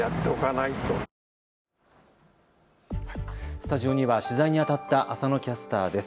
スタジオには取材にあたった浅野キャスターです。